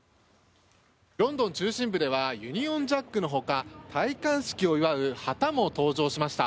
ロンドン中心部ではユニオンジャックのほか戴冠式を祝う旗も登場しました。